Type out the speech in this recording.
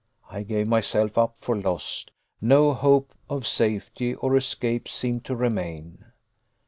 I gave myself up for lost. No hope of safety or escape seemed to remain.